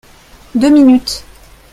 Deux minutes